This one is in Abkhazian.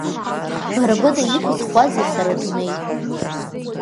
Бара быда иқәысхуәазеи сара адунеи?!